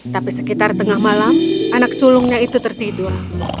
tapi sekitar tengah malam anak sulungnya itu tertidur